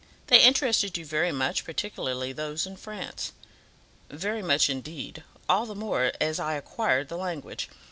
They interested you very much, particularly those in France." "Very much, indeed; all the more as I acquired the language.